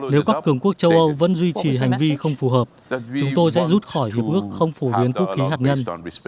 nếu các cường quốc châu âu vẫn duy trì hành vi không phù hợp chúng tôi sẽ rút khỏi hiệp ước không phổ biến vũ khí hạt nhân